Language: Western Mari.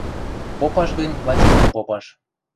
Попаш гӹнь, лачокым попаш.